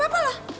gak apa apa lah